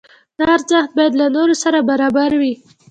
دا ارزښت باید له نورو سره برابر وي.